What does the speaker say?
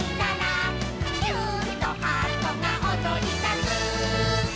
「キューンとハートがおどりだす」